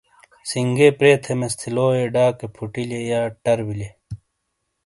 سنگۓ پرے تھیمیس تھے لویئے ڈاکے فوٹیلے/ٹر بلے۔